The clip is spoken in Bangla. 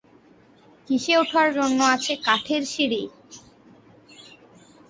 কিসে ওঠার জন্য আছে কাঠের সিঁড়ি?